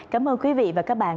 cảm ơn quý vị và các bạn